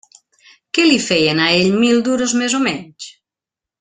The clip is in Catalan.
Què li feien a ell mil duros més o menys!